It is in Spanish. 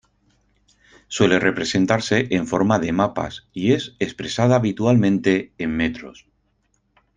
Suele representarse en forma de mapas y es expresada habitualmente en metros.